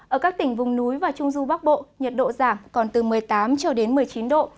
ở các tỉnh vùng núi và trung du bắc bộ nhiệt độ giảm còn từ một mươi tám cho đến một mươi chín độ